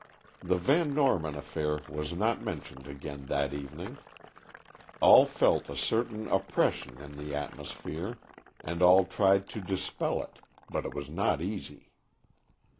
The Van Norman affair was not mentioned again that evening. All felt a certain oppression in the atmosphere, and all tried to dispel it, but it was not easy.